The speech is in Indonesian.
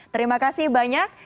terima kasih banyak